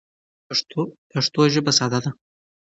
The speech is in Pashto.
پښتو ژبه ساده ده.